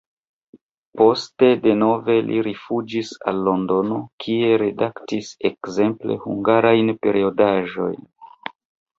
Poste denove li rifuĝis al Londono, kie redaktis ekzemple hungarajn periodaĵojn.